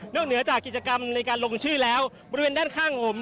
เหนือจากกิจกรรมในการลงชื่อแล้วบริเวณด้านข้างผม